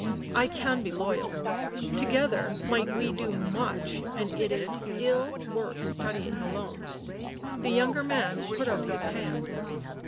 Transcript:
I can be loyal. Together might we do much, and it is ill work studying alone." The younger man put out his hand.